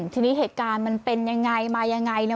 ทีนี้เหตุการณ์มันเป็นยังไงมายังไงเนี่ย